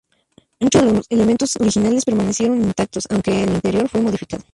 Mucho de los elementos originales permanecieron intactos, aunque el interior fue modificado.